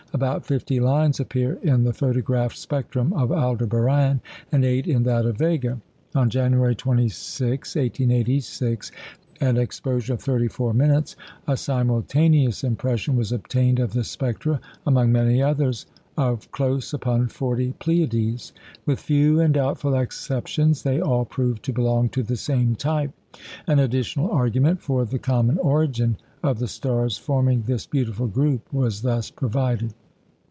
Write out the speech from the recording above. About fifty lines appear in the photographed spectrum of Aldebaran, and eight in that of Vega. On January 26, 1886, with an exposure of thirty four minutes, a simultaneous impression was obtained of the spectra (among many others) of close upon forty Pleiades. With few and doubtful exceptions, they all proved to belong to the same type. An additional argument for the common origin of the stars forming this beautiful group was thus provided.